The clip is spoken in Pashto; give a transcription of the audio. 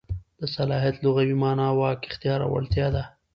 د صلاحیت لغوي مانا واک، اختیار او وړتیا ده.